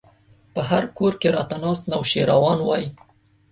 په هر کور کې راته ناست نوشيروان وای